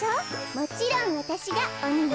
もちろんわたしがおにね。